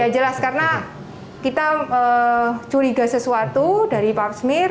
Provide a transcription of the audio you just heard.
ya jelas karena kita curiga sesuatu dari pap smear